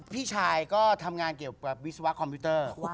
พี่ชายก็ทำงานเกี่ยวกับวิศวะคอมพิวเตอร์